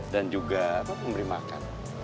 dan juga memberi makan